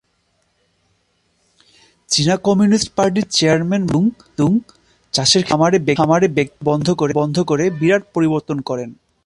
চীনা কমিউনিস্ট পার্টির chairman Mao Tse Tung, চাষের ক্ষেত্রে খামারে ব্যক্তি মালিকানা বন্ধ করে বিরাট পরিবর্তন করেন।